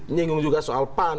nyinggung juga soal pan